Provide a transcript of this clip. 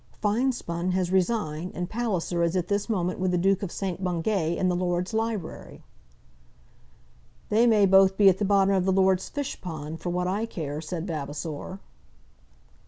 "Finespun has resigned, and Palliser is at this moment with the Duke of St. Bungay in the Lords' library." "They may both be at the bottom of the Lords' fishpond, for what I care," said Vavasor.